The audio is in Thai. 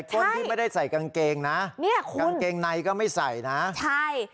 คนที่ไม่ได้ใส่กางเกงนะเนี่ยกางเกงในก็ไม่ใส่นะใช่